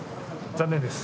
残念です。